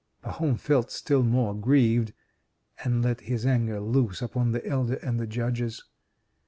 Pahom felt still more aggrieved, and let his anger loose upon the Elder and the Judges.